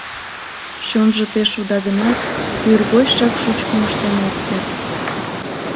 Чонжо пеш уда гынат, тӱргочшак шучкым ыштен ок керт.